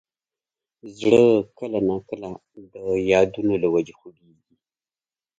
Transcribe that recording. زړه کله نا کله د یادونو له وجې خوږېږي.